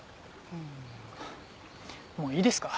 もういいですか？